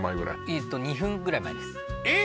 えっと２分ぐらい前ですえっ